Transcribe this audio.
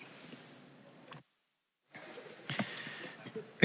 ตรีนเขุมโอปอิงสวัสดีครับ